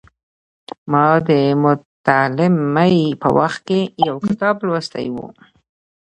ما د متعلمۍ په وخت کې یو کتاب لوستی و.